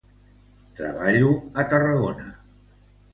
Treballo a Tarragona.